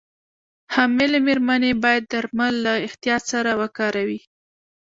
حاملې مېرمنې باید درمل له احتیاط سره وکاروي.